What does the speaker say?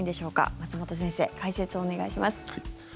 松本先生、解説お願いします。